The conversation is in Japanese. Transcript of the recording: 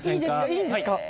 いいんですか？